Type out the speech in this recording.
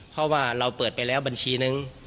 เพราะว่าเราเปิดไปแล้วบัญชีนึง